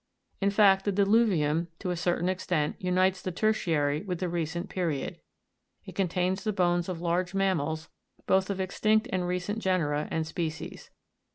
In fact the dilu'vium, to a certain extent, unites the tertiary with the re cent period. It contains the bones of large mam mals, both of extinct and recent genera and spe cies.